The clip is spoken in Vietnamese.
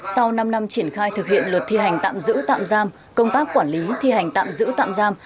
sau năm năm triển khai thực hiện luật thi hành tạm giữ tạm giam công tác quản lý thi hành tạm giữ tạm giam